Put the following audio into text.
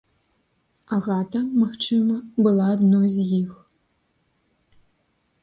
Агата, магчыма, была адной з іх.